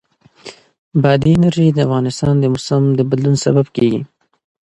بادي انرژي د افغانستان د موسم د بدلون سبب کېږي.